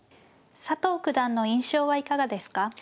佐藤九段の印象はいかがですか。